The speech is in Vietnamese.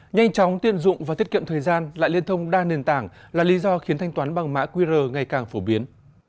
nhanh chóng tiện dụng và tiết kiệm thời gian lại liên thông đa nền tảng là lý do khiến thanh toán bằng mã qr ngày càng phổ biến